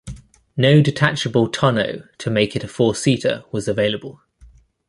No detachable tonneau to make it a four-seater was available.